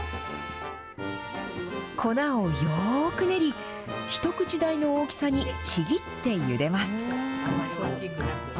粉をよーく練り、一口大の大きさにちぎってゆでます。